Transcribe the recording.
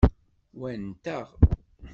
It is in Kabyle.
Wa nteɣ.